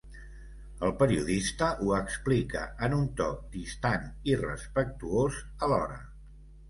El periodista ho explica en un to distant i respectuós alhora.